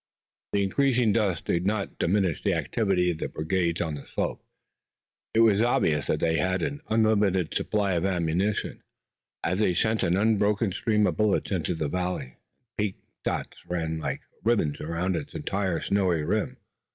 The increasing dusk did not diminish the activity of the brigands on the slopes. It was obvious that they had an unlimited supply of ammunition, as they sent an unbroken stream of bullets into the valley, and pink dots ran like ribbons around its entire snowy rim.